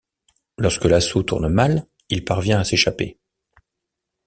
Lorsque l'assaut tourne mal, il parvient à s'échapper.